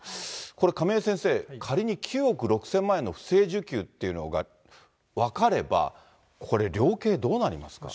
これ、亀井先生、仮に９億６０００万円の不正受給っていうのが分かれば、これ量刑どうなりますか。